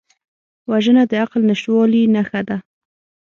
وژنه د عقل نشتوالي نښه ده